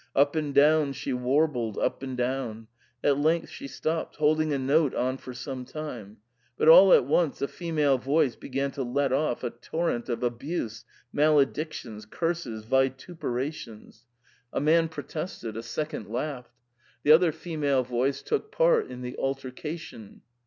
Up and down she warbled, up and down ; at length she stopped, holding a note on for some time. But all at once a female voice began to let off a torrent of abuse, maledictions, curses, vituperations ! A man 54 THE PERM ATA. protested ; a second laughed. The other female voice took part in the altercation.